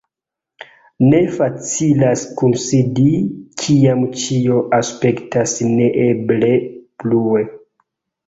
Ne facilas kunsidi, kiam ĉio aspektas neeble blue.